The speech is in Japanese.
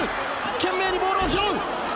懸命にボールを拾う。